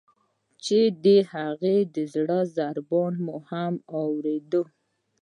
چې د هغې د زړه ضربان مو هم اوریده.